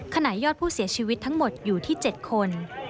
ขณะยอดผู้เสียชีวิตทั้งหมดอยู่ที่๗คน